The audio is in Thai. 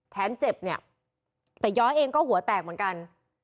เจ็บเนี่ยแต่ย้อยเองก็หัวแตกเหมือนกัน